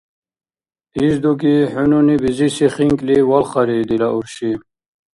Ишдуги хӀу нуни бизиси хинкӀли валхари, дила урши.